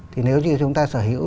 thì nếu như chúng ta sở hữu